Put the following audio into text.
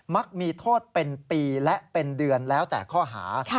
มักมีโทษเป็นปีและเป็นเดือนแล้วแต่ข้อหา